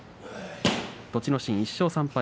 栃ノ心、１勝３敗